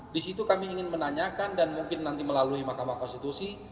di situ kami ingin menanyakan dan mungkin nanti melalui mahkamah konstitusi